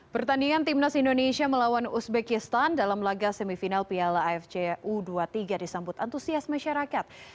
pertandingan timnas indonesia melawan uzbekistan dalam laga semifinal piala afc u dua puluh tiga disambut antusias masyarakat